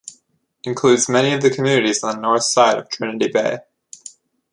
Includes many of the communities on the north side of Trinity Bay.